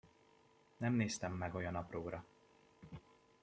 Nem néztem meg olyan apróra.